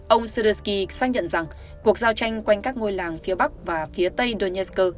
ông soskin xác nhận rằng cuộc giao tranh quanh các ngôi làng phía bắc và phía tây donetsk